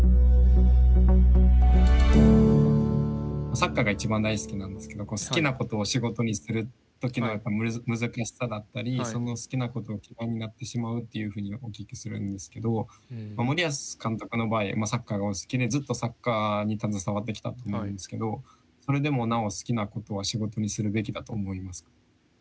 サッカーが一番大好きなんですけど好きなことを仕事にする時の難しさだったりその好きなことを嫌いになってしまうっていうふうにお聞きするんですけど森保監督の場合サッカーがお好きでずっとサッカーに携わってきたと思うんですけどそれでもなお好きなことは仕事にするべきだと思いますか？